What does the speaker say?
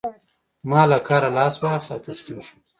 ما له کاره لاس واخيست او تسليم شوم.